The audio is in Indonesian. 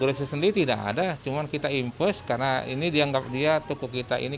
dari indegresi sendiri tidak ada cuman kita invest karena ini dianggap dia tuku kita ini